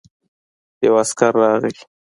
يو عسکر راغی.